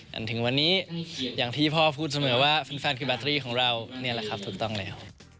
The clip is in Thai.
จนถึงวันนี้อย่างที่พ่อพูดเสมอว่าแฟนคือแบตเตอรี่ของเรานี่แหละครับถูกต้องแล้ว